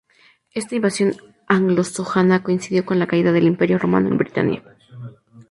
Esta invasión anglosajona coincidió con la caída del Imperio romano en Britania.